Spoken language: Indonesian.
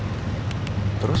gue mau ngakuin itu semua